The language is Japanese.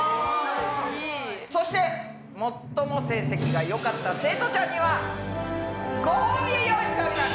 そして最も成績がよかった生徒ちゃんにはごほうびを用意しております。